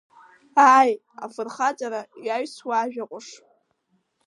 Ааи, афырхаҵара иаҩсуа ажәа ҟәыш.